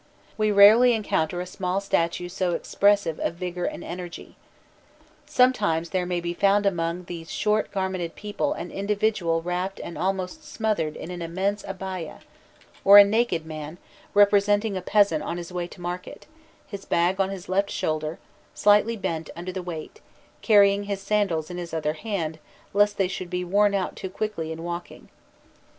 We rarely encounter a small statue so expressive of vigour and energy. Sometimes there may be found among these short garmented people an individual wrapped and almost smothered in an immense abayah; or a naked man, representing a peasant on his way to market, his bag on his left shoulder, slightly bent under the weight, carrying his sandals in his other hand, lest they should be worn out too quickly in walking.